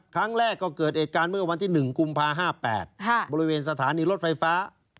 ครั้งแรกก็เกิดเหตุการณ์เมื่อวันที่๑กุมภา๕๘บริเวณสถานีรถไฟฟ้า